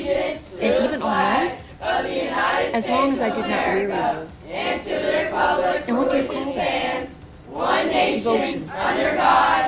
"And even all night?" "As long as I did not weary you." "And what do you call that?" "Devotion."